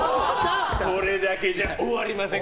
これだけじゃ終わりません。